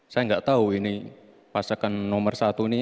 saya gak tau ini pasokan nomor satu ini